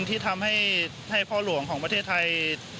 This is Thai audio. ที่ทำให้พ่อหลวงของประเทศไทย